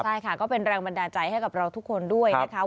ใช่ค่ะก็เป็นแรงบันดาลใจให้กับเราทุกคนด้วยนะคะ